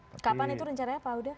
kapan itu rencana apa